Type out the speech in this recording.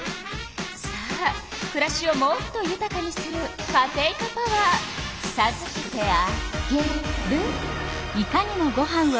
さあくらしをもっとゆたかにするカテイカパワーさずけてあげる。